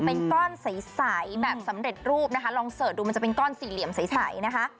เป็นก้อนใสแบบสำเร็จรูปนะคะลองเสิร์ชดูมันจะเป็นก้อนสี่เหลี่ยมใสนะคะ